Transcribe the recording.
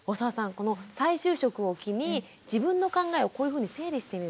この再就職を機に自分の考えをこういうふうに整理してみる。